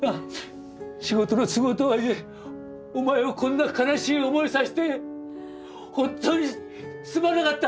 仕事の都合とはいえお前をこんな悲しい思いさせて本当にすまなかった。